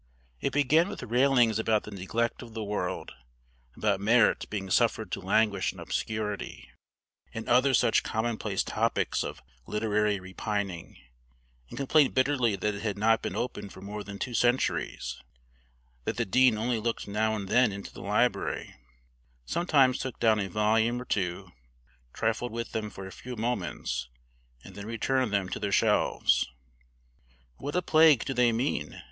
It began with railings about the neglect of the world, about merit being suffered to languish in obscurity, and other such commonplace topics of literary repining, and complained bitterly that it had not been opened for more than two centuries that the dean only looked now and then into the library, sometimes took down a volume or two, trifled with them for a few moments, and then returned them to their shelves. "What a plague do they mean?"